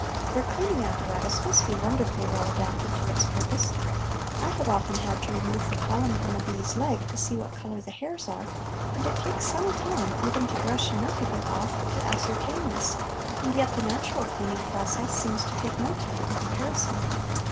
Their cleaning apparatus must be wonderfully well adapted to its purpose. I have often had to remove the pollen from a bee's leg to see what colour the hairs are, and it takes some time even to brush enough of it off to ascertain this, and yet the natural cleaning process seems to take no time in comparison.